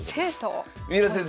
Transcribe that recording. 三浦先生